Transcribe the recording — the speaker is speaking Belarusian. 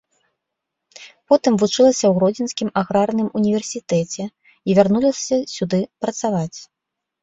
Потым вучылася ў гродзенскім аграрным універсітэце і вярнулася сюды працаваць.